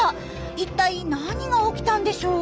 いったい何が起きたんでしょう？